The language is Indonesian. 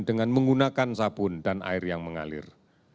dengan menggunakan sabun dan air yang mengalir